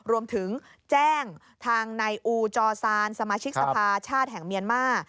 รวมถึงแจ้งทางนายอูจอซานสมาชิกสภาชาติแห่งเมียนมาร์